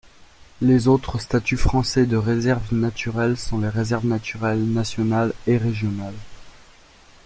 Les autres statuts français de réserves naturelles sont les réserves naturelles nationales et régionales.